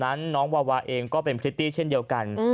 เพราะว่าน้องวาวาเองก็เป็นพฤติเช่นเดียวกัน